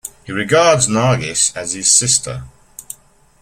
He regards Nargis as his sister.